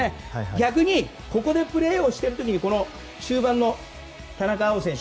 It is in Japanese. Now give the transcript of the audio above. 逆に、ここでプレーしている時に中盤の田中碧選手